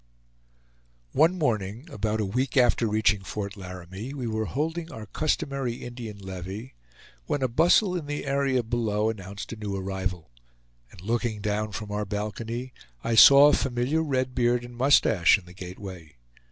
One morning, about a week after reaching Fort Laramie, we were holding our customary Indian levee, when a bustle in the area below announced a new arrival; and looking down from our balcony, I saw a familiar red beard and mustache in the gateway.